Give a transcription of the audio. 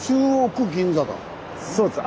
そうです。